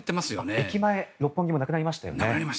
駅前、六本木もなくなりましたよね。